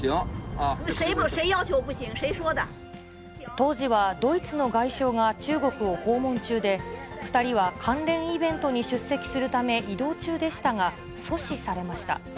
当時はドイツの外相が中国を訪問中で、２人は関連イベントに出席するため移動中でしたが、阻止されました。